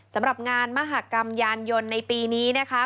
สำหรับงานมหากรรมยานยนต์ในปีนี้นะคะ